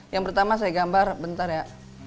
yang pertama saya gambar bentar ya